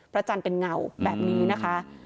จันทร์เป็นเงาแบบนี้นะคะ